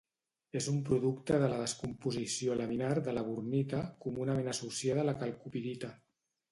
És un producte de la descomposició laminar de la bornita, comunament associada a la calcopirita.